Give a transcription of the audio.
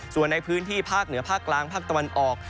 ส่วนในพื้นที่ภาคเหนือภาคกลางภาคตะวันออก